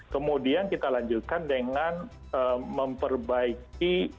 kemudian kita lanjutkan dengan memperbaiki